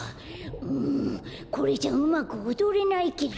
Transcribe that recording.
うんこれじゃうまくおどれないけど。